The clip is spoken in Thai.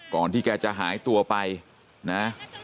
ก่อนที่แกจะหายตัวไปนะ